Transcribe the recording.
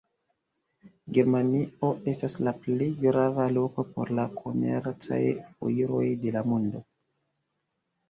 Germanio estas la plej grava loko por la komercaj foiroj de la mondo.